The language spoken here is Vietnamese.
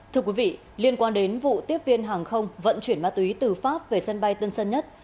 thưa quý vị liên quan đến vụ tiếp viên hàng không vận chuyển ma túy từ pháp về sân bay tân sơn nhất